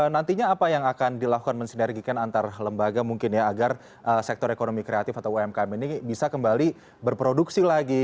nantinya apa yang akan dilakukan mensinergikan antar lembaga mungkin ya agar sektor ekonomi kreatif atau umkm ini bisa kembali berproduksi lagi